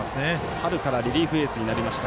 春からリリーフエースになりました。